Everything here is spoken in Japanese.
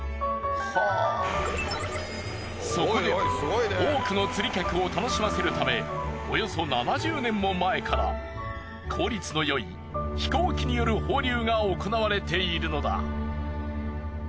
そこで多くの釣り客を楽しませるためおよそ７０年も前から効率のよい飛行機による放流が行われているのだ。